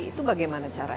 itu bagaimana caranya